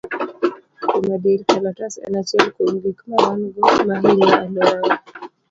Kuom adier, kalatas en achiel kuom gik ma wan go ma hinyo alworawa.